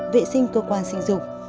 vệ sinh cơ quan sinh dục